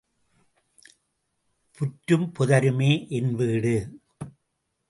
புற்றும் புதருமே envied.